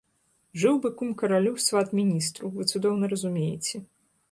Жыў бы кум каралю, сват міністру, вы цудоўна разумееце.